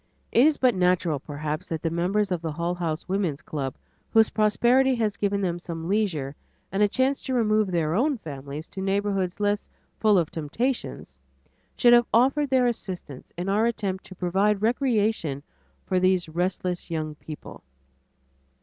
It is but natural, perhaps, that the members of the Hull House Woman's Club whose prosperity has given them some leisure and a chance to remove their own families to neighborhoods less full of temptations, should have offered their assistance in our attempt to provide recreation for these restless young people.